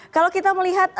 kalau kita melihat